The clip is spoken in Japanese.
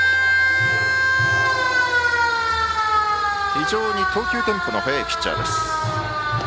非常に投球テンポの速いピッチャーです。